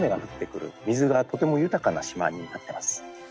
水がとても豊かな島になってます。